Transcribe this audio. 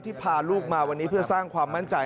พาลูกมาวันนี้เพื่อสร้างความมั่นใจ